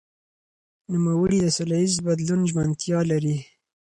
نوموړي د سولهییز بدلون ژمنتیا لري.